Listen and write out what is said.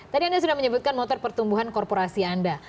tadi anda sudah menyebutkan motor pertumbuhan korporasi anda